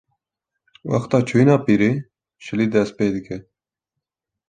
wexta çûyîna pîrê, şilî dest pê dike